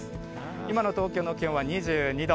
今の東京の気温は２２度。